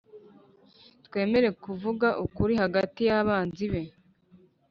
twemere kuvuga ukuri hagati y'abanzi be;